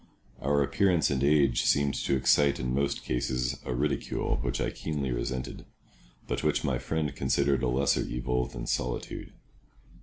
Our appearance and age seemed to excite in most cases a ridicule which I keenly resented, but which my friend considered a lesser evil than solitude.